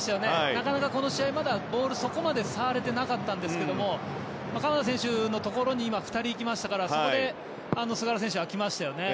なかなか、この試合ボールにそこまで触れていなかったんですが鎌田選手のところに２人行きましたからそこへ菅原選手が来ましたよね。